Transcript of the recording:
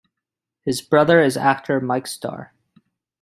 His brother is actor Mike Starr.